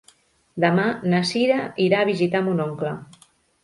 Demà na Cira irà a visitar mon oncle.